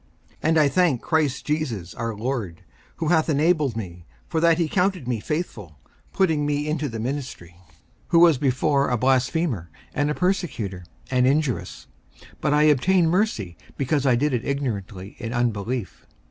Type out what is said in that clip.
54:001:012 And I thank Christ Jesus our Lord, who hath enabled me, for that he counted me faithful, putting me into the ministry; 54:001:013 Who was before a blasphemer, and a persecutor, and injurious: but I obtained mercy, because I did it ignorantly in unbelief.